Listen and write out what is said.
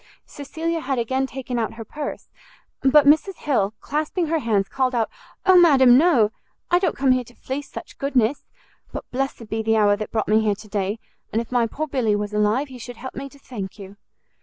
Cecilia had again taken out her purse, but Mrs Hill, clasping her hands, called out, "Oh madam no! I don't come here to fleece such goodness! but blessed be the hour that brought me here to day, and if my poor Billy was alive, he should help me to thank you!"